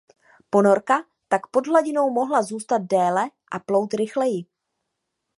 Ponorka tak pod hladinou mohla zůstat déle a plout rychleji.